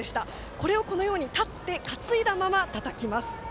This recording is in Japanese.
これをこのように立って担いだままたたきます。